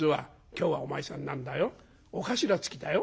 「今日はお前さん何だよ尾頭付きだよ」。